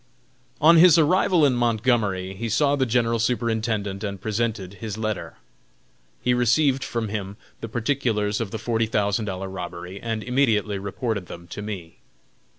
On his arrival in Montgomery he saw the General Superintendent and presented his letter. He received from him the particulars of the forty thousand dollar robbery, and immediately reported them to me.